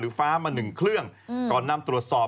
ฟ้ามา๑เครื่องก่อนนำตรวจสอบ